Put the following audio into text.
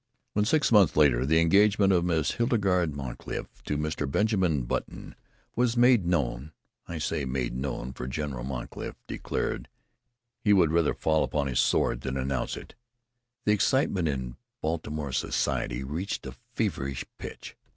VI When, six months later, the engagement of Miss Hildegarde Moncrief to Mr. Benjamin Button was made known (I say "made known," for General Moncrief declared he would rather fall upon his sword than announce it), the excitement in Baltimore society reached a feverish pitch.